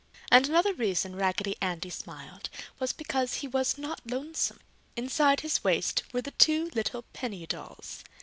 And another reason Raggedy Andy smiled was because he was not lonesome. Inside his waist were the two little penny dolls.